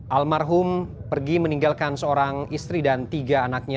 almarhum pergi meninggalkan seorang istri dan tiga anaknya